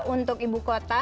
untuk ibu kota